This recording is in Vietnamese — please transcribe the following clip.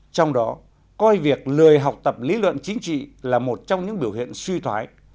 trong đó coi việc lười học tập lý luận chính trị là một trong những biểu hiện suy thoái